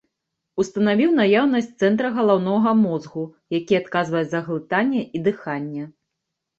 Устанавіў наяўнасць цэнтра галаўнога мозгу, які адказвае за глытанне і дыханне.